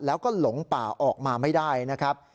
แล้วก็หลงป่าออกมาไม่ได้นะครับ